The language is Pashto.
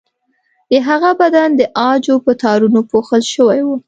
د هغه بدن د عاجو په تارونو پوښل شوی و.